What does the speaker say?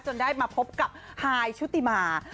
ได้มาพบกับฮายชุติมา